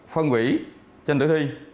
phân quỷ trên tử thi